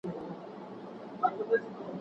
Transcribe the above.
دا کبابي تل د مشتریانو څخه ډک وي.